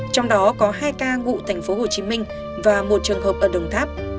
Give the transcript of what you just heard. trong đó có hai ca ngụ tp hcm và một trường hợp ở đồng tháp